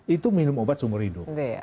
itu minum obat seumur hidup